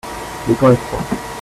le temps est froid.